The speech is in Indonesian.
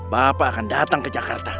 bapak akan datang ke jakarta